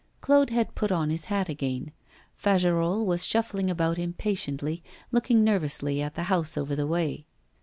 Claude had put on his hat again. Fagerolles was shuffling about impatiently, looking nervously at the house over the way.